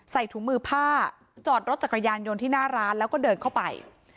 ถุงมือผ้าจอดรถจักรยานยนต์ที่หน้าร้านแล้วก็เดินเข้าไป